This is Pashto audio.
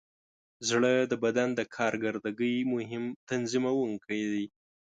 زړه د بدن د کارکردګۍ مهم تنظیموونکی دی.